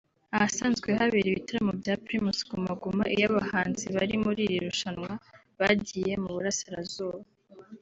ahasanzwe habera ibitaramo bya Primus Guma Guma iyo abahanzi bari muri iri rushanwa bagiye mu burasirazuba